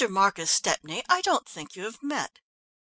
Marcus Stepney, I don't think you have met."